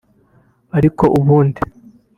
ariko ubundi